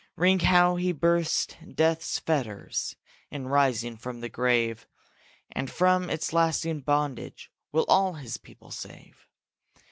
Ring how he burst death's fetters In rising from the grave, And from its lasting bondage Will all his people save.